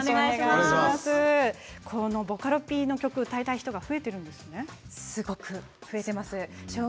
ボカロＰの曲を歌いたい人増えているんですね。